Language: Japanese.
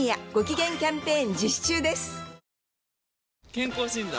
健康診断？